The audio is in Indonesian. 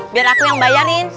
biar aku yang bayarin